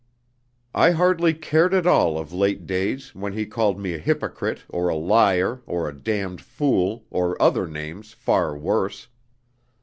I hardly cared at all of late days, when he called me a hypocrite, or a liar, or a damned fool, or other names far worse.